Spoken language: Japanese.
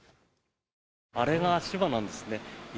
あれが足場なんですね。